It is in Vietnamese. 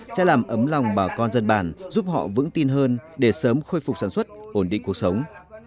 sẽ làm ấm lòng bà con dân bản giúp họ vững tin hơn để sớm khôi phục sản xuất ổn định cuộc sống